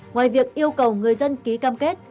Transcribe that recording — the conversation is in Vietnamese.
ngoài việc yêu cầu người dân ký cam kết